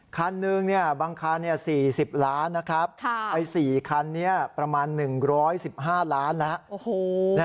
คันหนึ่งบางคัน๔๐ล้านนะครับไอ้๔คันนี้ประมาณ๑๑๕ล้านแล้ว